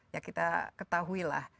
ya kita ketahui lah